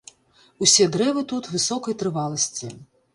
Усе дрэвы тут высокай трываласці.